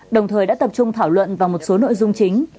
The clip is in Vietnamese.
đồng thời đã tập trung thảo luận vào một số nội dung chính